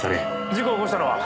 事故を起こしたのは？